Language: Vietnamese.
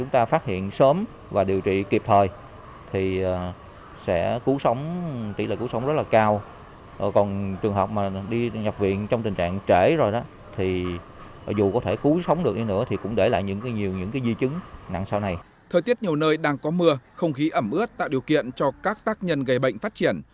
thời tiết nhiều nơi đang có mưa không khí ẩm ướt tạo điều kiện cho các tác nhân gây bệnh phát triển